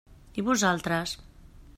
I vosaltres?